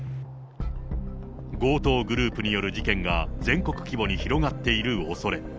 強盗グループによる事件が全国規模に広がっているおそれ。